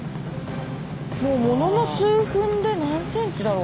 もうものの数分で何ｃｍだろう。